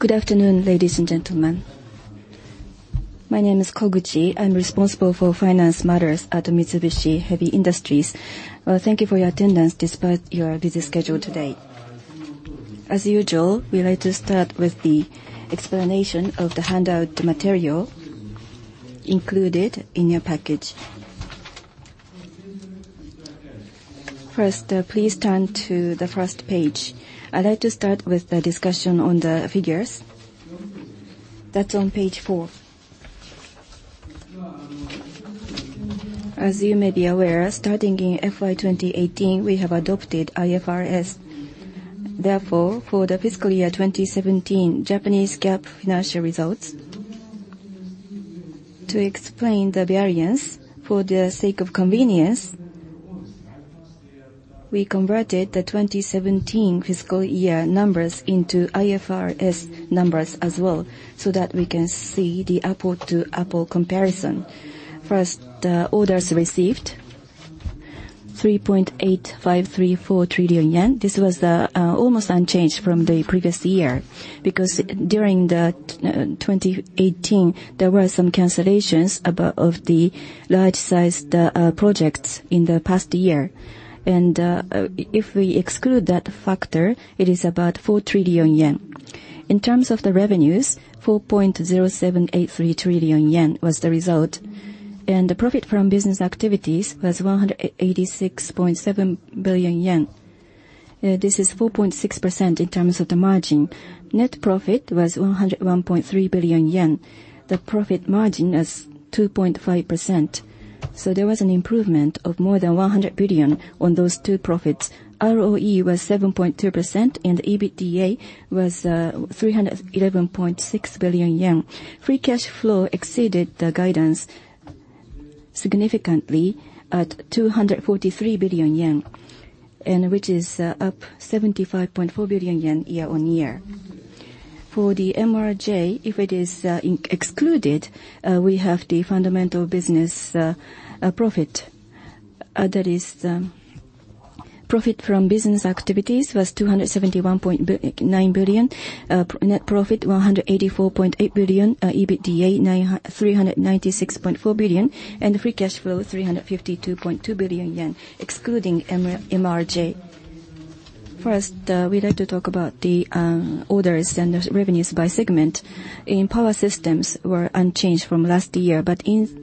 Good afternoon, ladies and gentlemen. My name is Koguchi, I'm responsible for finance matters at Mitsubishi Heavy Industries. Thank you for your attendance despite your busy schedule today. As usual, we'd like to start with the explanation of the handout material included in your package. First, please turn to the first page. I'd like to start with the discussion on the figures. That's on page four. As you may be aware, starting in FY 2018, we have adopted IFRS. Therefore, for the fiscal year 2017 Japanese GAAP financial results, to explain the variance for the sake of convenience, we converted the 2017 fiscal year numbers into IFRS numbers as well, so that we can see the apple-to-apple comparison. First, orders received, 3.8534 trillion yen. This was almost unchanged from the previous year because during 2018, there were some cancellations of the large-sized projects in the past year. If we exclude that factor, it is about 4 trillion yen. In terms of the revenues, 4.0783 trillion yen was the result, and the profit from business activities was 186.7 billion yen. This is 4.6% in terms of the margin. Net profit was 101.3 billion yen. The profit margin is 2.5%, so there was an improvement of more than 100 billion on those two profits. ROE was 7.2% and EBITDA was 311.6 billion yen. Free cash flow exceeded the guidance significantly at 243 billion yen, and which is up 75.4 billion yen year-over-year. For the MRJ, if it is excluded, we have the fundamental business profit. That is, profit from business activities was 271.9 billion. Net profit, 184.8 billion. EBITDA, 396.4 billion. Free cash flow, 352.2 billion yen, excluding MRJ. First, we'd like to talk about the orders and revenues by segment. In Power Systems were unchanged from last year,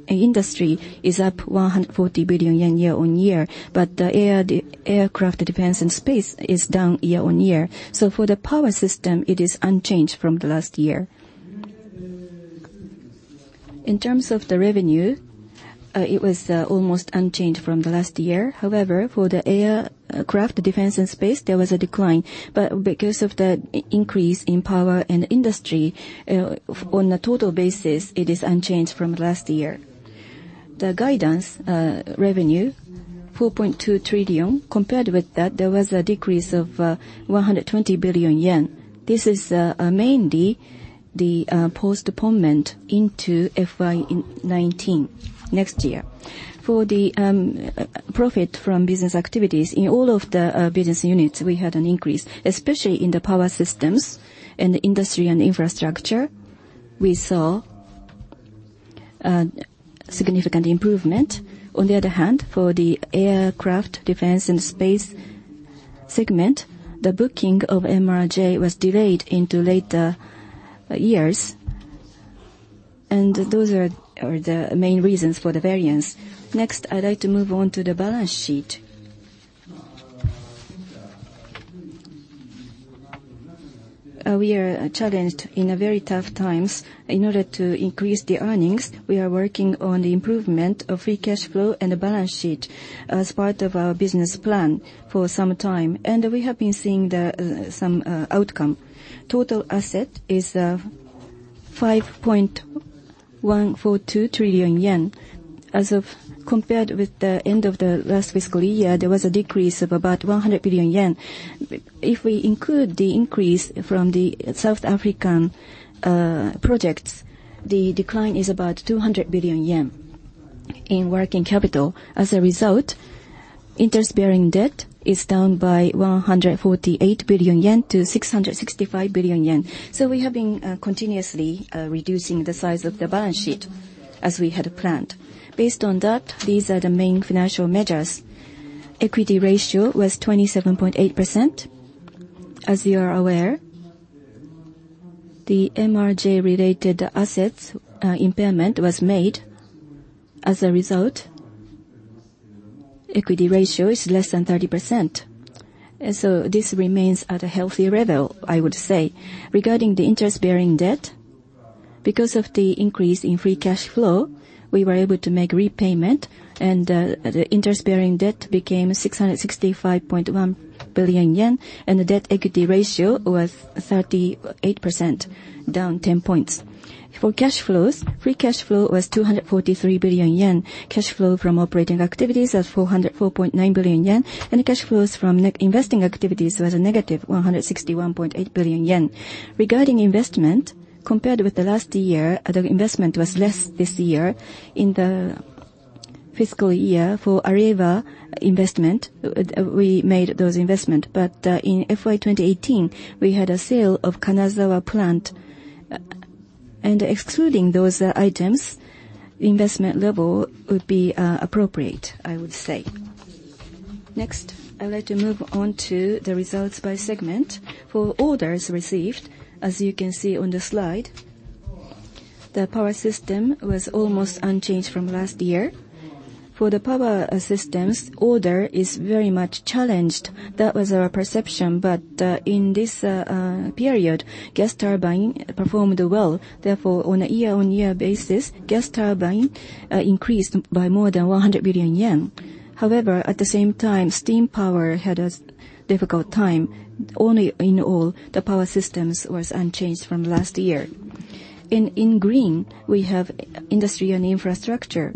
Industry is up 140 billion yen year-over-year. The Aircraft, Defense, and Space is down year-over-year. For the Power System, it is unchanged from the last year. In terms of the revenue, it was almost unchanged from the last year. However, for the Aircraft, Defense, and Space, there was a decline. Because of the increase in Power and Industry, on a total basis, it is unchanged from last year. The guidance revenue, 4.2 trillion. Compared with that, there was a decrease of 120 billion yen. This is mainly the postponement into FY 2019, next year. For the profit from business activities, in all of the business units we had an increase, especially in the Power Systems and the Industry and Infrastructure, we saw a significant improvement. On the other hand, for the Aircraft, Defense, and Space segment, the booking of MRJ was delayed into later years, and those are the main reasons for the variance. Next, I'd like to move on to the balance sheet. We are challenged in very tough times. In order to increase the earnings, we are working on the improvement of free cash flow and the balance sheet as part of our business plan for some time, and we have been seeing some outcome. Total asset is 5.142 trillion yen. As of compared with the end of the last fiscal year, there was a decrease of about 100 billion yen. If we include the increase from the South African projects, the decline is about 200 billion yen in working capital. As a result, interest-bearing debt is down by 148 billion yen to 665 billion yen. We have been continuously reducing the size of the balance sheet as we had planned. Based on that, these are the main financial measures. Equity ratio was 27.8%. As you are aware, the MRJ-related assets impairment was made. Equity ratio is less than 30%, and this remains at a healthy level, I would say. Regarding the interest-bearing debt, because of the increase in free cash flow, we were able to make repayment and the interest-bearing debt became 665.1 billion yen, and the debt equity ratio was 38%, down 10 points. For cash flows, free cash flow was 243 billion yen. Cash flow from operating activities was 404.9 billion yen, and cash flows from investing activities was a negative 161.8 billion yen. Regarding investment, compared with last year, the investment was less this year. In the fiscal year for Areva investment, we made those investment. In FY 2018, we had a sale of Kanazawa plant. Excluding those items, investment level would be appropriate, I would say. Next, I would like to move on to the results by segment. For orders received, as you can see on the slide, the power system was almost unchanged from last year. For the power systems, order is very much challenged. That was our perception, but in this period, gas turbine performed well. Therefore, on a year-on-year basis, gas turbine increased by more than 100 billion yen. However, at the same time, steam power had a difficult time. All in all, the power systems was unchanged from last year. In green, we have industry and infrastructure.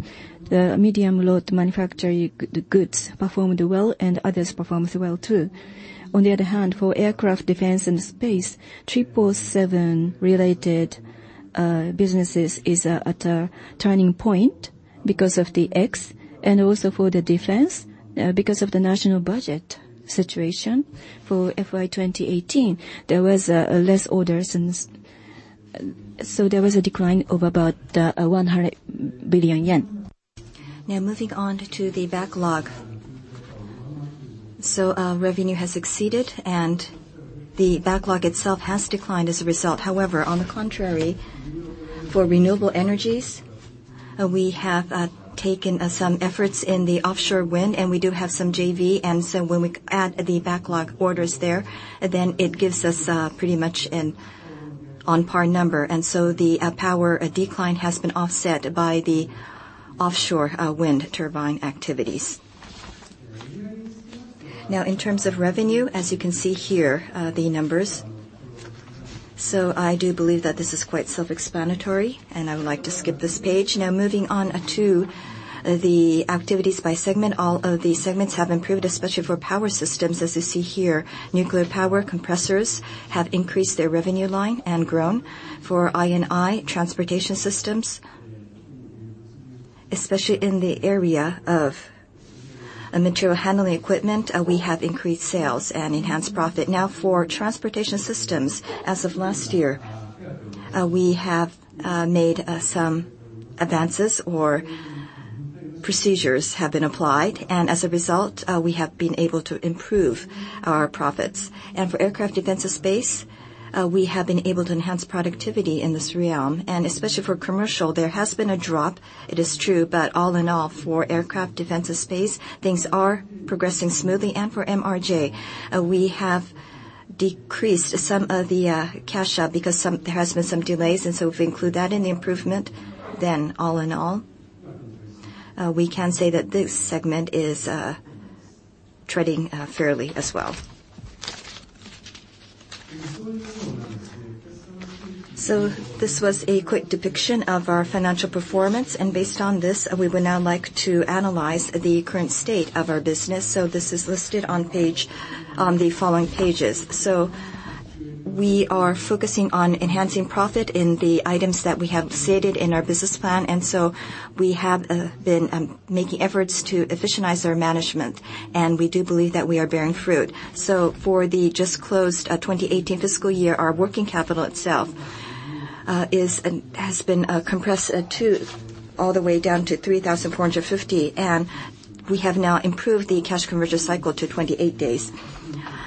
The medium load manufacturing goods performed well, and others performed well, too. For aircraft defense and space, 777 related businesses is at a turning point because of the X, and also for the defense, because of the national budget situation. For FY 2018, there was less orders, so there was a decline of about 100 billion yen. Moving on to the backlog. Revenue has exceeded and the backlog itself has declined as a result. For renewable energies, we have taken some efforts in the offshore wind, and we do have some JV, and when we add the backlog orders there, it gives us pretty much an on par number. The power decline has been offset by the offshore wind turbine activities. In terms of revenue, as you can see here, the numbers. I do believe that this is quite self-explanatory, and I would like to skip this page. Moving on to the activities by segment. All of the segments have improved, especially for power systems, as you see here. Nuclear power compressors have increased their revenue line and grown. For I&I transportation systems, especially in the area of material handling equipment, we have increased sales and enhanced profit. For transportation systems, as of last year, we have made some advances or procedures have been applied, and as a result, we have been able to improve our profits. For aircraft defensive space, we have been able to enhance productivity in this realm. Especially for commercial, there has been a drop, it is true, but all in all, for Aircraft, Defense & Space, things are progressing smoothly. For MRJ, we have decreased some of the cash because there has been some delays. If we include that in the improvement, all in all, we can say that this segment is treading fairly as well. This was a quick depiction of our financial performance. Based on this, we would now like to analyze the current state of our business. This is listed on the following pages. We are focusing on enhancing profit in the items that we have stated in our business plan. We have been making efforts to efficientize our management, and we do believe that we are bearing fruit. For the just closed 2018 fiscal year, our working capital itself has been compressed all the way down to 3,450, and we have now improved the cash conversion cycle to 28 days.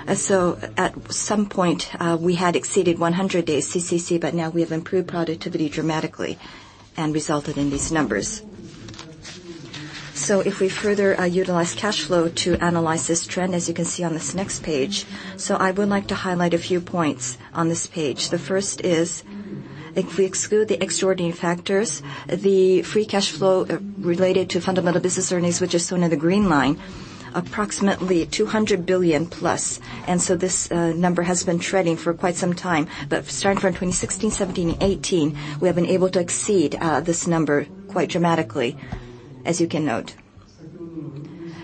At some point, we had exceeded 100 days CCC, but now we have improved productivity dramatically and resulted in these numbers. If we further utilize cash flow to analyze this trend, as you can see on this next page. I would like to highlight a few points on this page. The first is, if we exclude the extraordinary factors, the free cash flow related to fundamental business earnings, which is shown in the green line, approximately 200 billion plus. This number has been trending for quite some time. Starting from 2016, 2017, and 2018, we have been able to exceed this number quite dramatically, as you can note.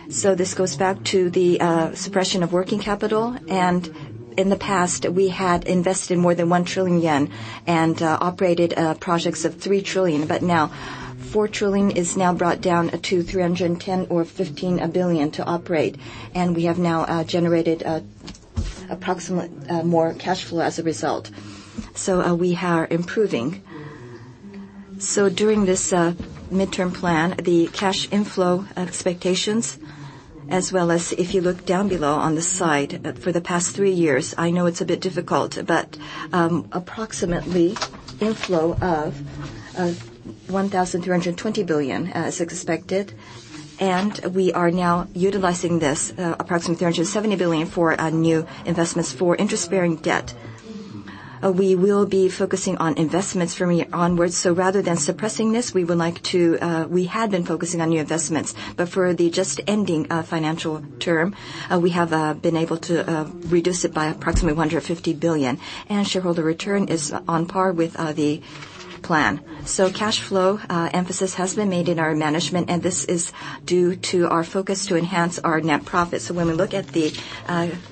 This goes back to the suppression of working capital. In the past, we had invested more than 1 trillion yen and operated projects of 3 trillion. Now 4 trillion is now brought down to 310 or 15 billion to operate. We have now generated approximately more cash flow as a result. We are improving. During this midterm plan, the cash inflow expectations, as well as if you look down below on the side for the past three years, I know it's a bit difficult, but approximately inflow of 1,320 billion as expected. We are now utilizing this approximately 370 billion for new investments for interest-bearing debt. We will be focusing on investments from here onwards. Rather than suppressing this, we had been focusing on new investments. For the just ending financial term, we have been able to reduce it by approximately 150 billion. Shareholder return is on par with the plan. Cash flow emphasis has been made in our management, and this is due to our focus to enhance our net profit. When we look at the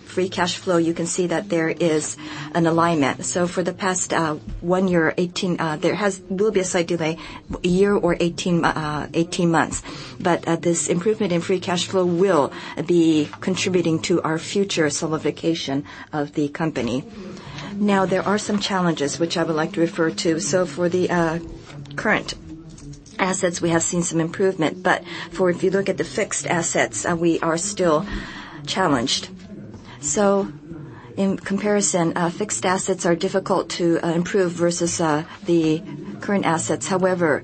free cash flow, you can see that there is an alignment. For the past one year, there will be a slight delay, a year or 18 months. This improvement in free cash flow will be contributing to our future solidification of the company. There are some challenges which I would like to refer to. For the current- assets, we have seen some improvement. If you look at the fixed assets, we are still challenged. In comparison, fixed assets are difficult to improve versus the current assets. However,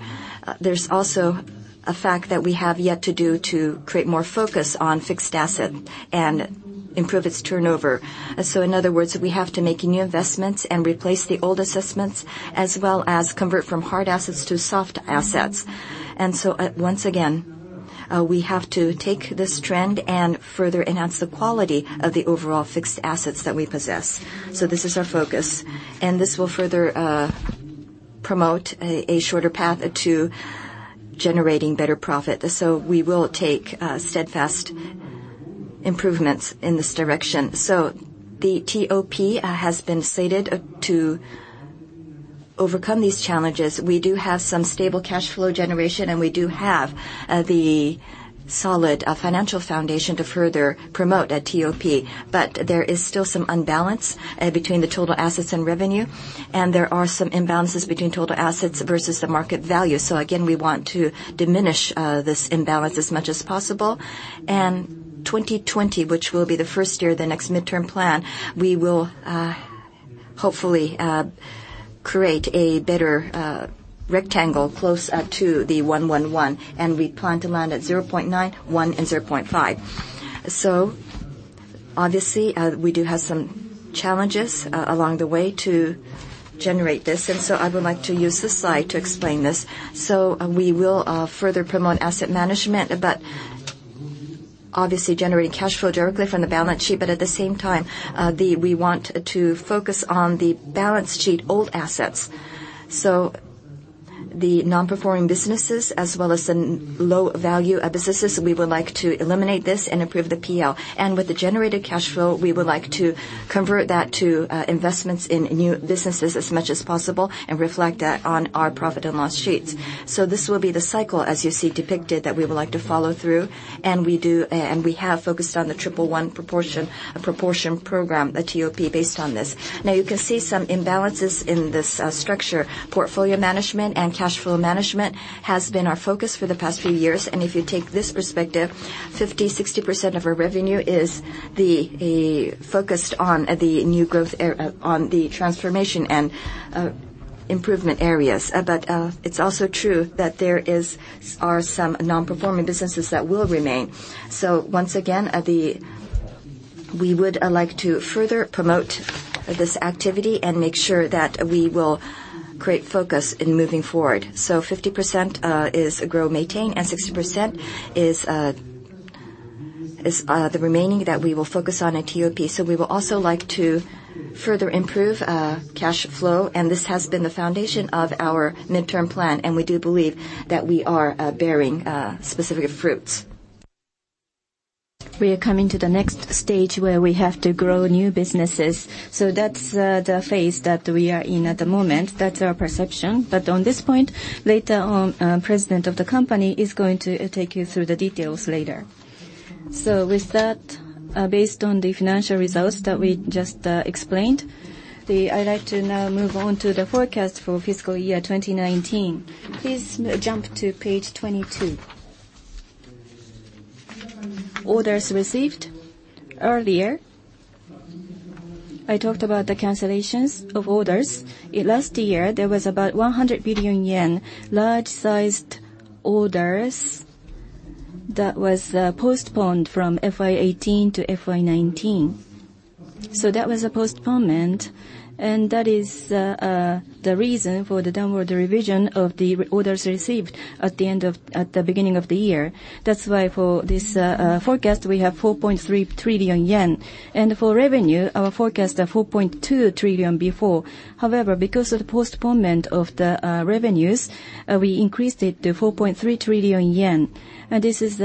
there's also a fact that we have yet to do to create more focus on fixed asset and improve its turnover. In other words, we have to make new investments and replace the old assets, as well as convert from hard assets to soft assets. Once again, we have to take this trend and further enhance the quality of the overall fixed assets that we possess. This is our focus, and this will further promote a shorter path to generating better profit. We will take steadfast improvements in this direction. The TOP has been stated to overcome these challenges. We do have some stable cash flow generation, and we do have the solid financial foundation to further promote a TOP. There is still some unbalance between the total assets and revenue, and there are some imbalances between total assets versus the market value. Again, we want to diminish this imbalance as much as possible. 2020, which will be the first year of the next midterm plan, we will hopefully create a better rectangle close up to the 1-1-1, and we plan to land at 0.9, 1, and 0.5. Obviously, we do have some challenges along the way to generate this. I would like to use this slide to explain this. We will further promote asset management, but obviously generating cash flow directly from the balance sheet. At the same time, we want to focus on the balance sheet old assets. The non-performing businesses, as well as the low-value businesses, we would like to eliminate this and improve the PL. With the generated cash flow, we would like to convert that to investments in new businesses as much as possible and reflect that on our profit and loss sheets. This will be the cycle, as you see depicted, that we would like to follow through, and we have focused on the triple one proportion program, the TOP, based on this. You can see some imbalances in this structure. Portfolio management and cash flow management has been our focus for the past few years. If you take this perspective, 50%, 60% of our revenue is focused on the transformation and improvement areas. It's also true that there are some non-performing businesses that will remain. Once again, we would like to further promote this activity and make sure that we will create focus in moving forward. 50% is grow/maintain, and 60% is the remaining that we will focus on in TOP. We would also like to further improve cash flow, and this has been the foundation of our midterm plan, and we do believe that we are bearing specific fruits. We are coming to the next stage where we have to grow new businesses. That's the phase that we are in at the moment. That's our perception. On this point, later on, President of the company is going to take you through the details later. With that, based on the financial results that we just explained, I'd like to now move on to the forecast for fiscal year 2019. Please jump to page 22. Orders received. Earlier, I talked about the cancellations of orders. Last year, there was about 100 billion yen, large-sized orders that was postponed from FY 2018 to FY 2019. That was a postponement, and that is the reason for the downward revision of the orders received at the beginning of the year. That's why for this forecast, we have 4.3 trillion yen. For revenue, our forecast at 4.2 trillion before. However, because of the postponement of the revenues, we increased it to 4.3 trillion yen, and this is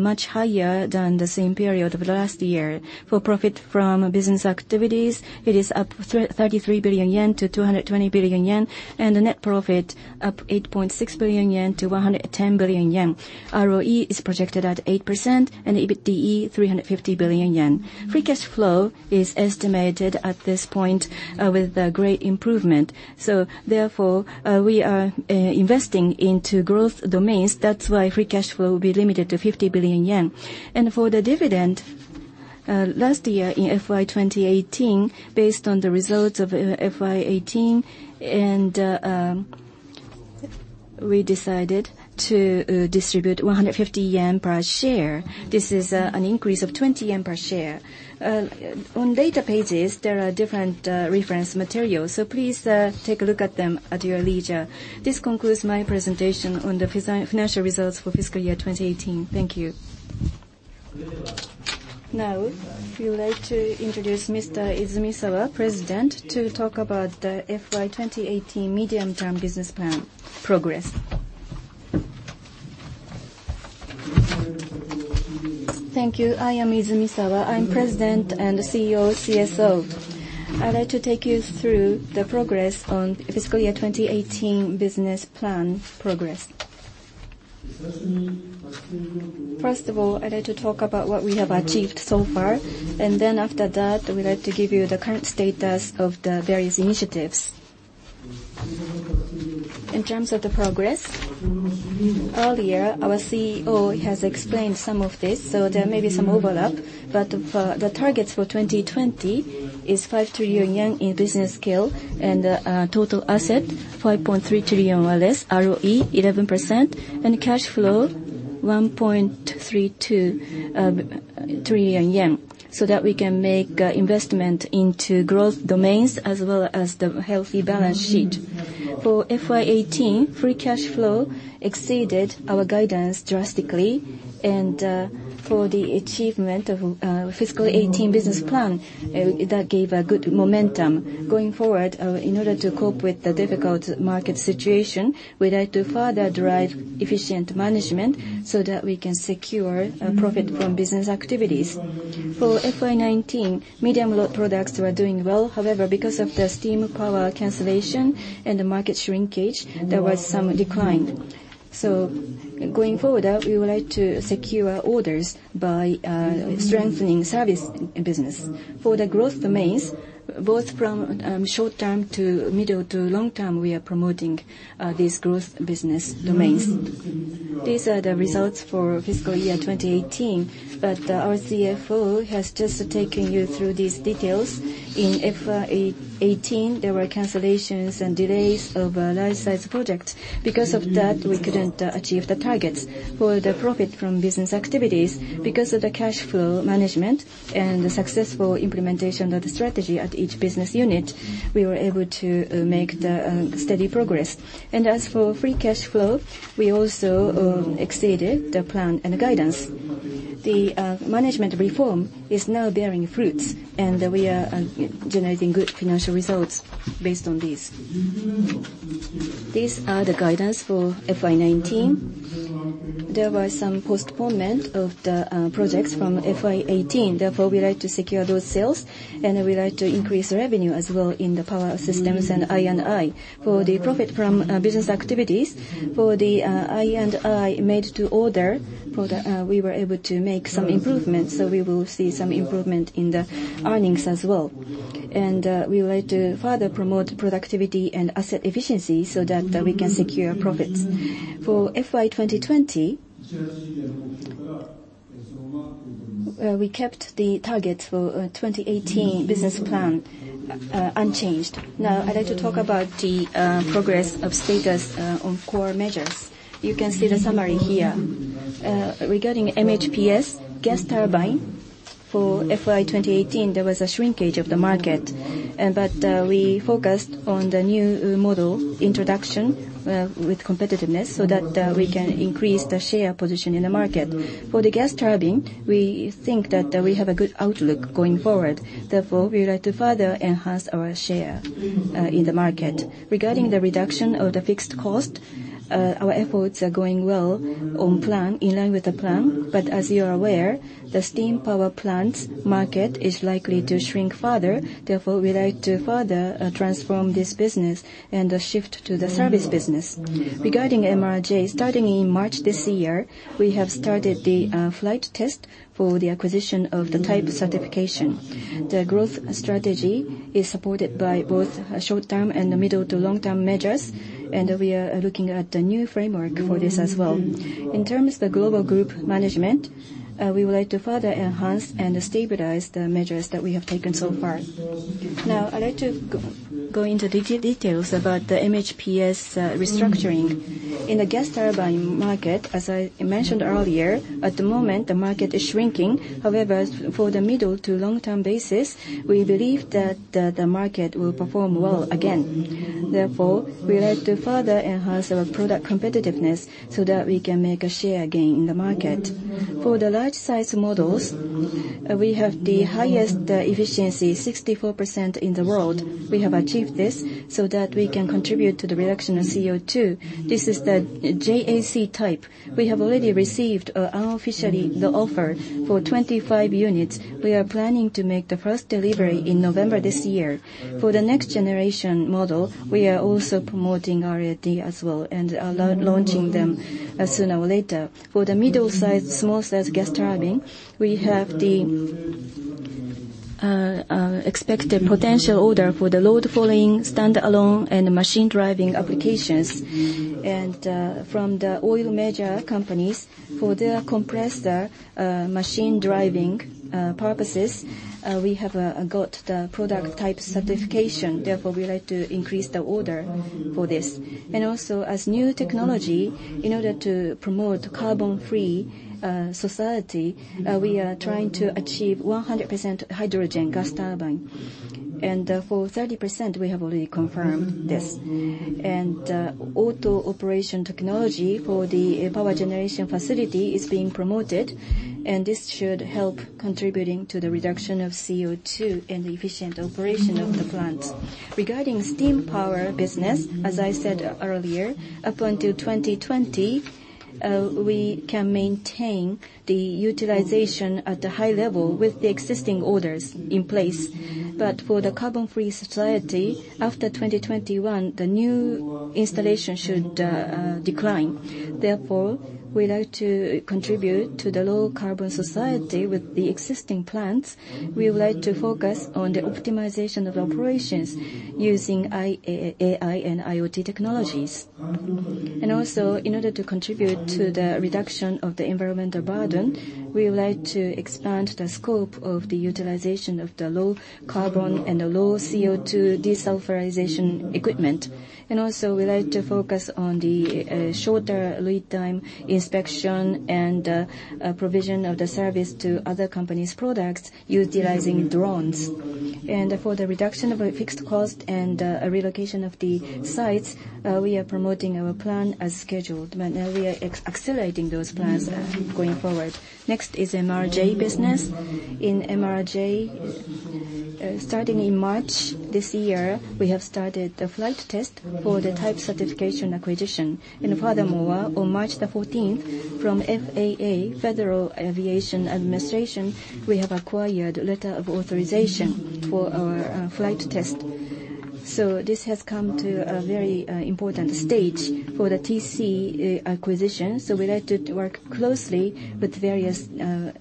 much higher than the same period of last year. For profit from business activities, it is up 33 billion yen to 220 billion yen, and the net profit up 8.6 billion yen to 110 billion yen. ROE is projected at 8% and EBITDA 350 billion yen. Free cash flow is estimated, at this point, with a great improvement. Therefore, we are investing into growth domains. That's why free cash flow will be limited to 50 billion yen. For the dividend, last year in FY 2018, based on the results of FY 2018, we decided to distribute 150 yen per share. This is an increase of 20 yen per share. On later pages, there are different reference materials, so please take a look at them at your leisure. This concludes my presentation on the financial results for fiscal year 2018. Thank you. Now, we would like to introduce Mr. Izumisawa, President, to talk about the FY 2018 medium-term business plan progress. Thank you. I am Izumisawa. I'm President and CEO, CSO. I'd like to take you through the progress on fiscal year 2018 business plan progress. First of all, I'd like to talk about what we have achieved so far. After that, we'd like to give you the current status of the various initiatives. In terms of the progress, earlier our CEO has explained some of this, so there may be some overlap, but the targets for 2020 is 5 trillion yen in business scale and total asset, 5.3 trillion or less, ROE 11%, and cash flow, 1.32 trillion yen, so that we can make investment into growth domains as well as the healthy balance sheet. For FY 2018, free cash flow exceeded our guidance drastically, and for the achievement of our fiscal 2018 business plan, that gave a good momentum. Going forward, in order to cope with the difficult market situation, we'd like to further derive efficient management so that we can secure a profit from business activities. For FY 2019, medium load products were doing well. However, because of the steam power cancellation and the market shrinkage, there was some decline. Going forward, we would like to secure orders by strengthening service business. For the growth domains, both from short-term to middle to long term, we are promoting these growth business domains. These are the results for fiscal year 2018, but our CFO has just taken you through these details. In FY 2018, there were cancellations and delays of a large size project. Because of that, we couldn't achieve the targets. For the profit from business activities, because of the cash flow management and the successful implementation of the strategy at each business unit, we were able to make steady progress. As for free cash flow, we also exceeded the plan and the guidance. The management reform is now bearing fruits, and we are generating good financial results based on this. These are the guidance for FY 2019. There were some postponement of the projects from FY 2018. We would like to secure those sales, and we would like to increase revenue as well in the Power Systems and I&I. For the profit from business activities, for the I&I made-to-order, we were able to make some improvements, we will see some improvement in the earnings as well. We would like to further promote productivity and asset efficiency so that we can secure profits. For FY 2020, we kept the target for 2018 business plan unchanged. Now I'd like to talk about the progress of status on core measures. You can see the summary here. Regarding MHPS gas turbine, for FY 2018, there was a shrinkage of the market, we focused on the new model introduction with competitiveness so that we can increase the share position in the market. For the gas turbine, we think that we have a good outlook going forward. We would like to further enhance our share in the market. Regarding the reduction of the fixed cost, our efforts are going well in line with the plan, as you are aware, the steam power plants market is likely to shrink further. We would like to further transform this business and shift to the service business. Regarding MRJ, starting in March this year, we have started the flight test for the acquisition of the type certification. The growth strategy is supported by both short-term and the middle to long-term measures, we are looking at the new framework for this as well. In terms of the global group management, we would like to further enhance and stabilize the measures that we have taken so far. I'd like to go into details about the MHPS restructuring. In the gas turbine market, as I mentioned earlier, at the moment, the market is shrinking. For the middle to long-term basis, we believe that the market will perform well again. We would like to further enhance our product competitiveness so that we can make a share gain in the market. For the large size models, we have the highest efficiency, 64% in the world. We have achieved this so that we can contribute to the reduction of CO2. This is the JAC type. We have already received unofficially the offer for 25 units. We are planning to make the first delivery in November this year. For the next generation model, we are also promoting R&D as well and are launching them sooner or later. For the middle size, small size gas turbine, we have the expected potential order for the load following, stand-alone, and machine driving applications. From the oil major companies, for their compressor machine driving purposes, we have got the product type certification. We would like to increase the order for this. Also, as new technology, in order to promote carbon-free society, we are trying to achieve 100% hydrogen gas turbine. For 30%, we have already confirmed this. Auto operation technology for the power generation facility is being promoted, and this should help contributing to the reduction of CO2 and efficient operation of the plant. Regarding steam power business, as I said earlier, up until 2020, we can maintain the utilization at the high level with the existing orders in place. For the carbon-free society, after 2021, the new installation should decline. Therefore, we like to contribute to the low carbon society with the existing plants. We would like to focus on the optimization of operations using AI and IoT technologies. In order to contribute to the reduction of the environmental burden, we would like to expand the scope of the utilization of the low carbon and the low CO2 desulfurization equipment. We like to focus on the shorter lead time inspection and provision of the service to other company's products utilizing drones. For the reduction of our fixed cost and relocation of the sites, we are promoting our plan as scheduled. Now we are accelerating those plans going forward. Next is MRJ business. In MRJ, starting in March this year, we have started the flight test for the type certification acquisition. On March the 14th, from FAA, Federal Aviation Administration, we have acquired letter of authorization for our flight test. This has come to a very important stage for the TC acquisition. We like to work closely with various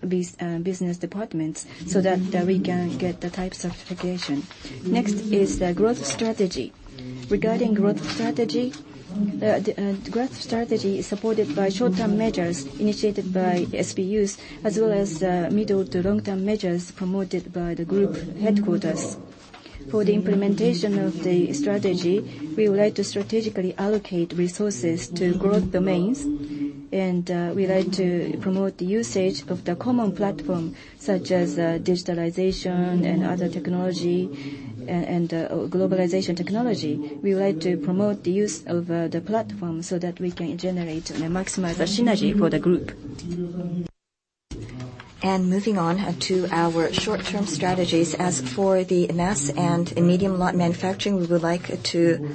business departments, so that we can get the type certification. Next is the growth strategy. Regarding growth strategy, growth strategy is supported by short-term measures initiated by SBUs, as well as middle to long-term measures promoted by the group headquarters. For the implementation of the strategy, we would like to strategically allocate resources to growth domains, and we like to promote the usage of the common platform, such as digitalization and other technology, and globalization technology. We like to promote the use of the platform so that we can generate and maximize the synergy for the group. Moving on to our short-term strategies. As for the mass and medium lot manufacturing, we would like to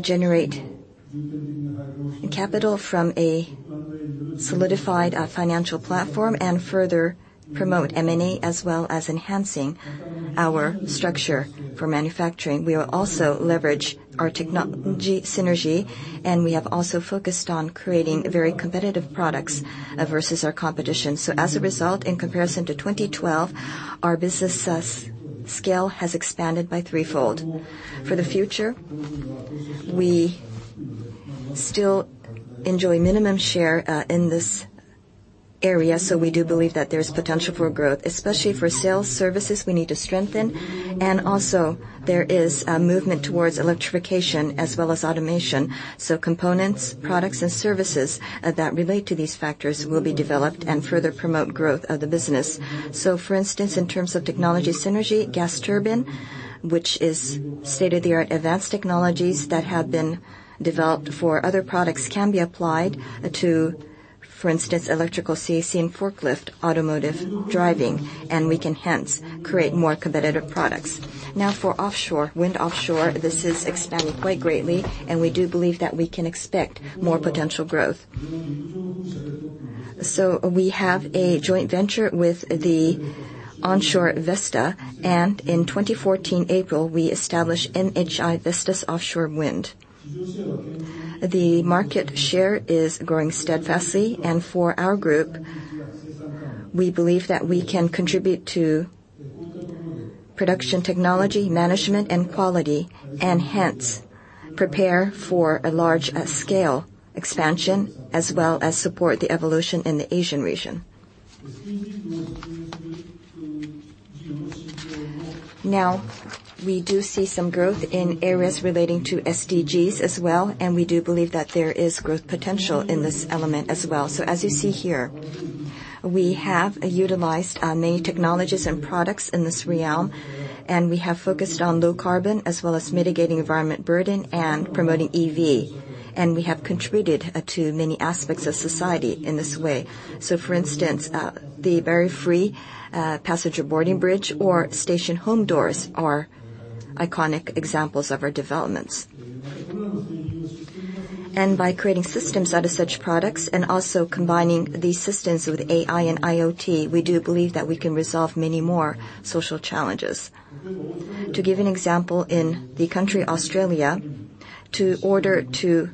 generate capital from a solidified financial platform, and further promote M&A, as well as enhancing our structure for manufacturing. We will also leverage our technology synergy, and we have also focused on creating very competitive products versus our competition. As a result, in comparison to 2012, our business scale has expanded by threefold. For the future, we still enjoy minimum share in this area. We do believe that there's potential for growth, especially for sales services we need to strengthen. There is a movement towards electrification as well as automation. Components, products and services that relate to these factors will be developed and further promote growth of the business. For instance, in terms of technology synergy, gas turbine, which is state-of-the-art advanced technologies that have been developed for other products, can be applied to, for instance, [electrical CAC] and forklift automotive driving, and we can hence create more competitive products. Now for offshore, wind offshore, this is expanding quite greatly, and we do believe that we can expect more potential growth. We have a joint venture with the onshore Vestas, and in 2014 April, we established MHI Vestas Offshore Wind. The market share is growing steadfastly. For our group, we believe that we can contribute to production technology, management and quality, hence prepare for a large scale expansion as well as support the evolution in the Asian region. We do see some growth in areas relating to SDGs as well, and we do believe that there is growth potential in this element as well. As you see here, we have utilized many technologies and products in this realm, and we have focused on low carbon as well as mitigating environment burden and promoting EV. We have contributed to many aspects of society in this way. For instance, the barrier-free passenger boarding bridge or station home doors are iconic examples of our developments. By creating systems out of such products and also combining these systems with AI and IoT, we do believe that we can resolve many more social challenges. To give an example, in the country Australia, in order to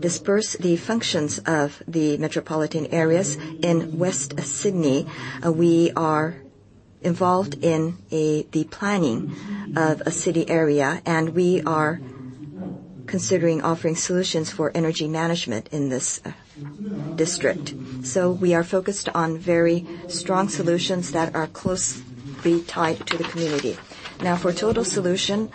disperse the functions of the metropolitan areas in Western Sydney, we are involved in the planning of a city area, and we are considering offering solutions for energy management in this district. We are focused on very strong solutions that are closely tied to the community. For total solution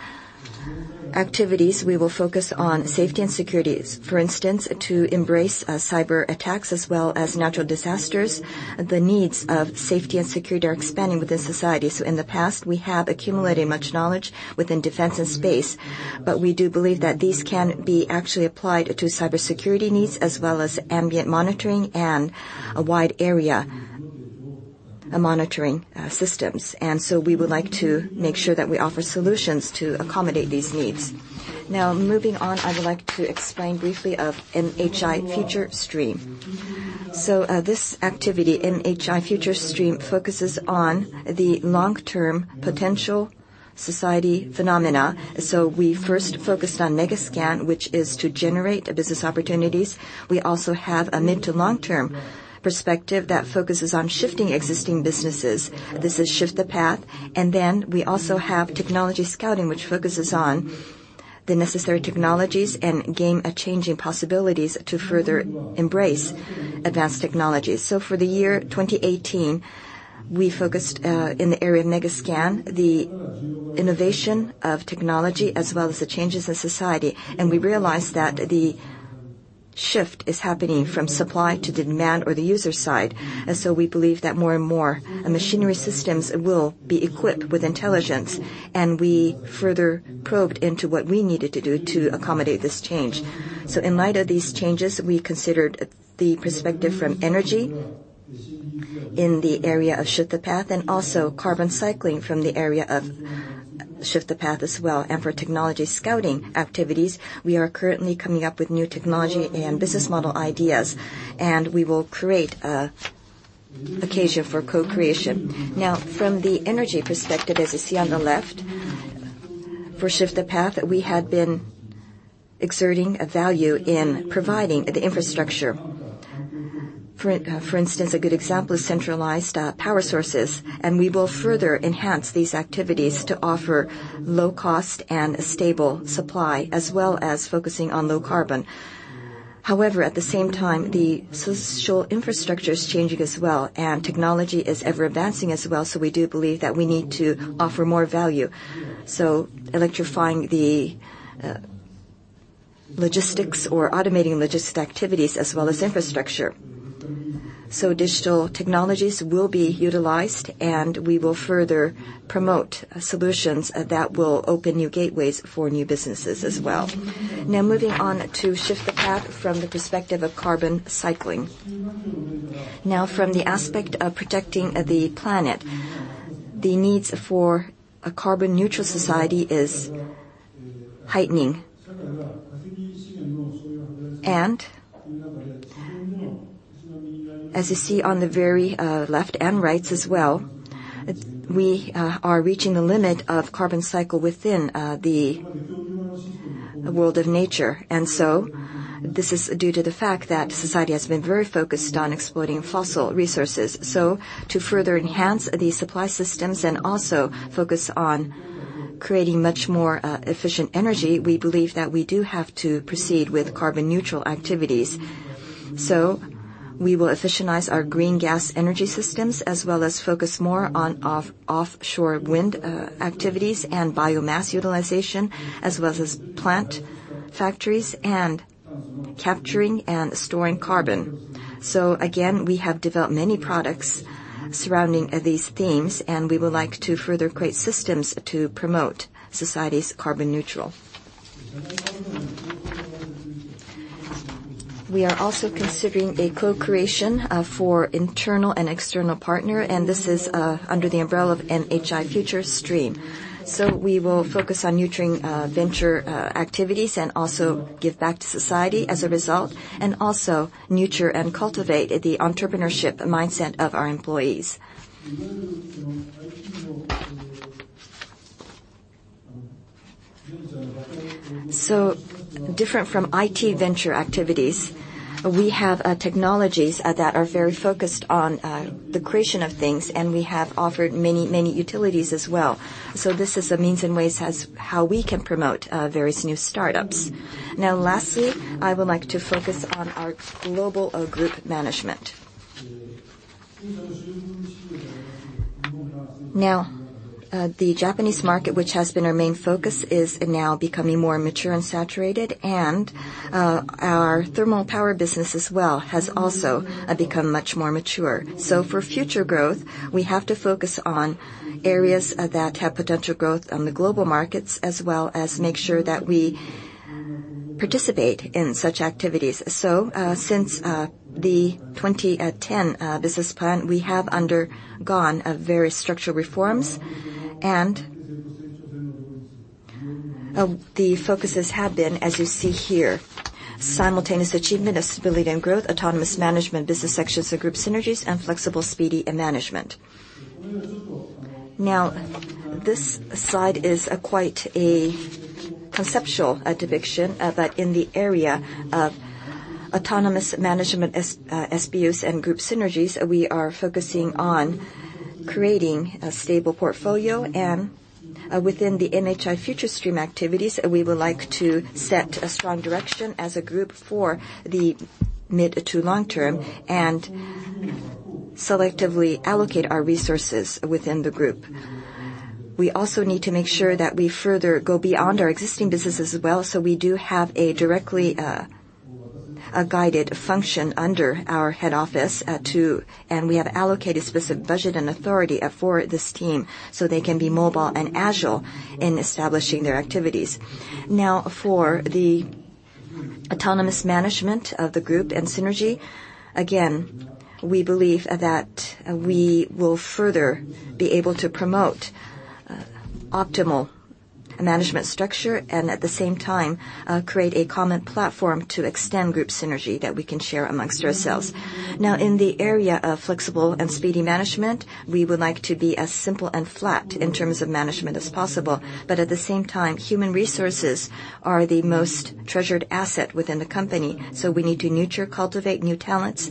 activities, we will focus on safety and security. For instance, to embrace cyber attacks as well as natural disasters, the needs of safety and security are expanding within society. In the past, we have accumulated much knowledge within defense and space. We do believe that these can be actually applied to cybersecurity needs as well as ambient monitoring and a wide area- a monitoring systems. We would like to make sure that we offer solutions to accommodate these needs. Moving on, I would like to explain briefly of MHI FUTURE STREAM. This activity, MHI FUTURE STREAM, focuses on the long-term potential society phenomena. We first focused on Mega Scan, which is to generate business opportunities. We also have a mid to long-term perspective that focuses on shifting existing businesses. This is Shift the Path. We also have technology scouting, which focuses on the necessary technologies and game changing possibilities to further embrace advanced technologies. For the year 2018, we focused in the area of Mega Scan, the innovation of technology, as well as the changes in society. We realized that the shift is happening from supply to demand, or the user side. We believe that more and more machinery systems will be equipped with intelligence, and we further probed into what we needed to do to accommodate this change. In light of these changes, we considered the perspective from energy in the area of Shift the Path, and also carbon cycling from the area of Shift the Path as well. For technology scouting activities, we are currently coming up with new technology and business model ideas, and we will create a occasion for co-creation. From the energy perspective, as you see on the left, for Shift the Path, we had been exerting a value in providing the infrastructure. For instance, a good example is centralized power sources, and we will further enhance these activities to offer low cost and stable supply, as well as focusing on low carbon. At the same time, the social infrastructure is changing as well, and technology is ever advancing as well, we do believe that we need to offer more value. Electrifying the logistics or automating logistic activities, as well as infrastructure. Digital technologies will be utilized, and we will further promote solutions that will open new gateways for new businesses as well. Moving on to Shift the Path from the perspective of carbon cycling. From the aspect of protecting the planet, the needs for a carbon neutral society is heightening. As you see on the very left, and right as well, we are reaching the limit of carbon cycle within the world of nature. This is due to the fact that society has been very focused on exploiting fossil resources. To further enhance the supply systems and also focus on creating much more efficient energy, we believe that we do have to proceed with carbon neutral activities. We will efficientize our green gas energy systems, as well as focus more on offshore wind activities and biomass utilization, as well as plant factories and capturing and storing carbon. Again, we have developed many products surrounding these themes, and we would like to further create systems to promote society's carbon neutral. We are also considering a co-creation for internal and external partner, and this is under the umbrella of MHI FUTURE STREAM. We will focus on nurturing venture activities, and also give back to society as a result. Also nurture and cultivate the entrepreneurship mindset of our employees. Different from IT venture activities, we have technologies that are very focused on the creation of things, and we have offered many utilities as well. This is a means in ways how we can promote various new startups. Lastly, I would like to focus on our global group management. The Japanese market, which has been our main focus, is now becoming more mature and saturated. Our thermal power business as well, has also become much more mature. For future growth, we have to focus on areas that have potential growth on the global markets, as well as make sure that we participate in such activities. Since the 2010 business plan, we have undergone various structural reforms. The focuses have been, as you see here, simultaneous achievement of stability and growth, autonomous management business sections or group synergies, and flexible, speedy management. This slide is quite a conceptual depiction, but in the area of autonomous management, SBUs and group synergies, we are focusing on creating a stable portfolio. Within the MHI FUTURE STREAM activities, we would like to set a strong direction as a group for the mid to long-term, and selectively allocate our resources within the group. We also need to make sure that we further go beyond our existing business as well, so we do have a directly guided function under our head office. We have allocated specific budget and authority for this team, so they can be mobile and agile in establishing their activities. For the autonomous management of the group and synergy, again, we believe that we will further be able to promote optimal management structure, and at the same time, create a common platform to extend group synergy that we can share amongst ourselves. In the area of flexible and speedy management, we would like to be as simple and flat in terms of management as possible. At the same time, human resources are the most treasured asset within the company. We need to nurture, cultivate new talents,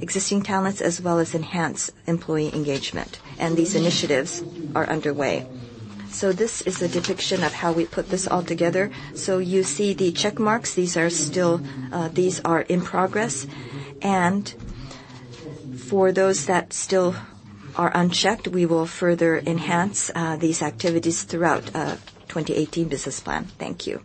existing talents, as well as enhance employee engagement, and these initiatives are underway. This is a depiction of how we put this all together. You see the check marks, these are in progress. For those that still are unchecked, we will further enhance these activities throughout 2018 business plan. Thank you.